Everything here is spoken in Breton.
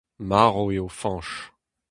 Marv eo Fañch !